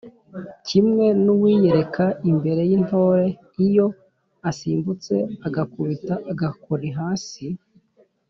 kimwe n’uwiyereka imbere y’intore iyo asimbutse agakubita agakoni hasi